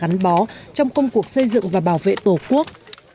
gắn bó trong công cuộc xây dựng và bảo vệ tổ quốc